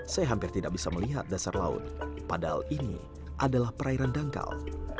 saya hampir tidak bisa melihat dasar laut padahal ini adalah perairan dangkal